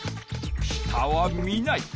下は見ない。